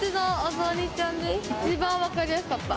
一番分かりやすかった！